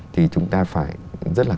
thì chúng ta phải rất là